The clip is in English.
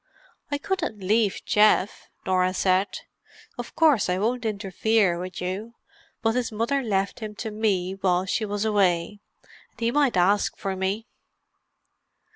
"I couldn't leave Geoff," Norah said. "Of course I won't interfere with you; but his mother left him to me while she was away. And he might ask for me."